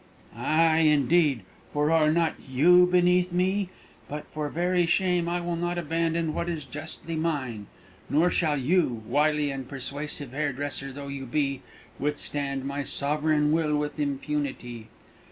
"Ay, indeed! for are not you beneath me? But for very shame I will not abandon what is justly mine; nor shall you, wily and persuasive hairdresser though you be, withstand my sovereign will with impunity!"